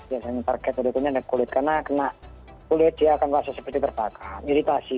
biasanya target pada kulit karena kena kulit dia akan terasa seperti terbakar iritasi